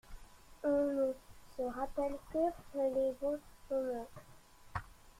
On ne se rappelle que les bons moments.